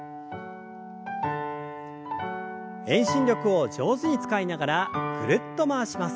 遠心力を上手に使いながらぐるっと回します。